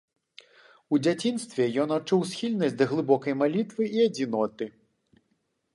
У дзяцінстве ён адчуў схільнасць да глыбокай малітвы і адзіноты.